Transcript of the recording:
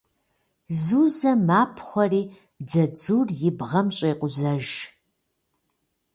Зузэ мапхъуэри дзадзур и бгъэм щӏекъузэж.